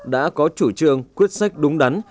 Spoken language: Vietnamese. đã có chủ trương quyết sách đúng đắn